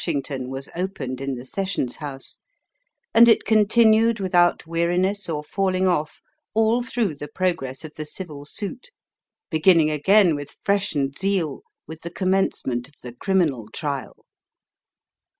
_ Lushington was opened in the Sessions House, and it continued without weariness or falling off all through the progress of the civil suit, beginning again with freshened zeal with the commencement of the criminal trial.